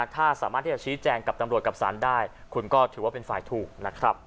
ถ้าสามารถที่จะชี้แจงกับตำรวจกับสารได้คุณก็ถือว่าเป็นฝ่ายถูกนะครับ